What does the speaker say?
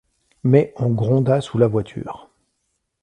Mais on gronda sous la voiture.